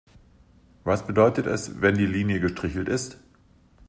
Was bedeutet es, wenn die Linie gestrichelt ist?